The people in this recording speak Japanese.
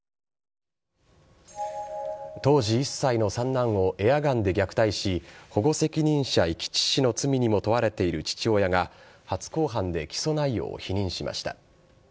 当時１歳の三男をエアガンで虐待し、保護責任者遺棄致死の罪にも問われている父親が、初公判で起訴内容を否認しました。